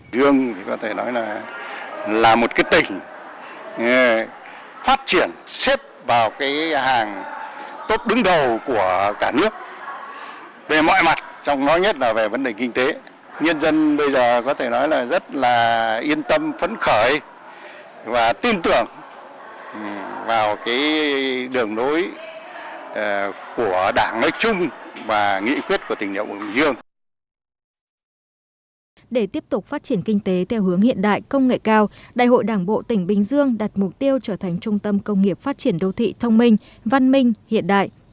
để tiếp tục phát triển kinh tế theo hướng hiện đại công nghệ cao đại hội đảng bộ tỉnh bình dương đặt mục tiêu trở thành trung tâm công nghiệp phát triển đô thị thông minh văn minh hiện đại